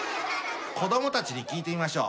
子どもたちに聞いてみましょう。